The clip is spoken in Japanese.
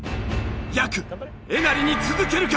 やくえなりに続けるか！？